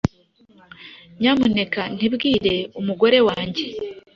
Nyamuneka ntubwire umugore wanjye